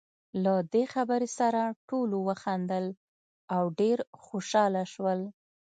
له دې خبرې سره ټولو وخندل، او ډېر خوشاله شول.